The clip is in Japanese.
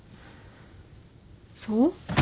そう？